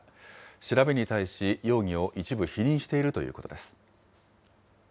調べに対し、容疑を一部否認しているということです。